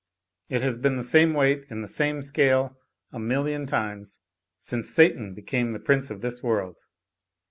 It has been the same weight in the same scale a million times, since Satan became the prince of this world.